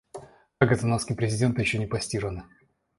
Как это носки президента ещё не постираны?